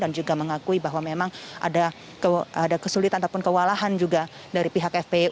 dan juga mengakui bahwa memang ada kesulitan ataupun kewalahan juga dari pihak fpi